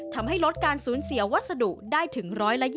ทำให้ลดการสูญเสียวัสดุได้ถึง๑๒๐